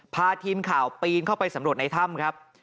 พาทีมข่าวปีนเข้าไปสำรวจในถ้ำครับ